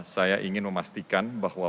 saya ingin memastikan bahwa